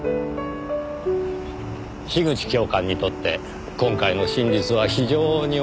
樋口教官にとって今回の真実は非常に重いものです。